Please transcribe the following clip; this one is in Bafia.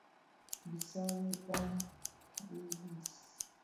Bëssali baà di bi.